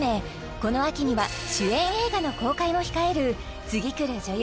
この秋には主演映画の公開も控える次くる女優